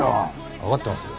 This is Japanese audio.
わかってますよ。